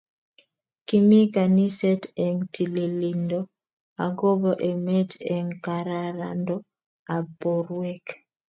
Kimii kaniset eng tililindo akobo emet eng kararando ab borwek